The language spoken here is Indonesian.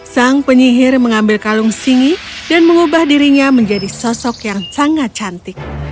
sang penyihir mengambil kalung singi dan mengubah dirinya menjadi sosok yang sangat cantik